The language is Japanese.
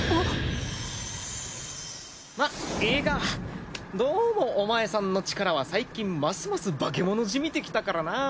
まいいかどうもお前さんの力は最近ますます化け物じみてきたからな。